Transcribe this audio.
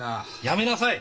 やめなさい！